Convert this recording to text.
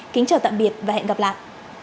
kính chào tạm biệt và hẹn gặp lại